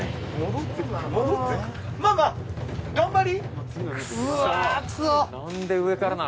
まあまあ頑張り。